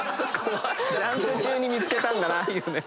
ジャンプ中に見つけたんだな。